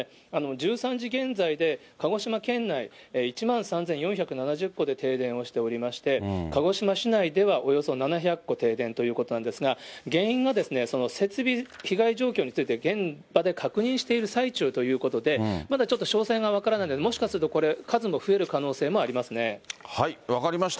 １３時現在で、鹿児島県内、１万３４７０戸で停電をしておりまして、鹿児島市内ではおよそ７００戸停電ということなんですが、原因が設備、被害状況について、現場で確認している最中ということで、まだちょっと詳細が分からないので、もしかするとこれ、数も増える可能分かりました。